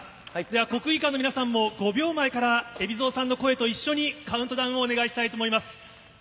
国技館の皆さんも５秒前から海老蔵さんの声と一緒にカウントダウンをお願いしたいと思います。